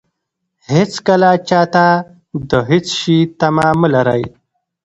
هېڅکله چاته د هېڅ شي تمه مه لرئ.